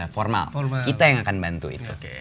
formal kita yang akan bantu itu